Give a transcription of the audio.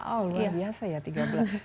oh luar biasa ya tiga bulan